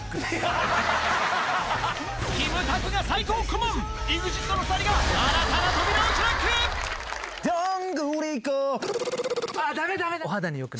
キムタクが最高顧問、ＥＸＩＴの２人が新たな扉を開く。